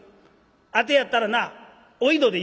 あてやったらなおいどで言うわ」。